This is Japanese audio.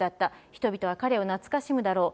人々は彼を懐かしむだろう。